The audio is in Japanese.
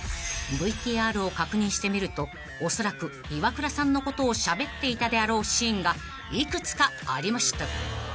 ［ＶＴＲを確認してみるとおそらくイワクラさんのことをしゃべっていたであろうシーンが幾つかありました］